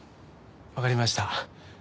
わかりました。